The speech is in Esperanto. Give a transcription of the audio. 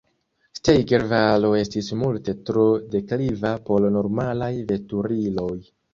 Steiger-valo estis multe tro dekliva por normalaj veturiloj.